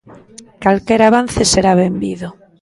Calquera avance será benvido.